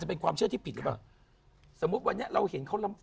แต่นี่ดีมากนะ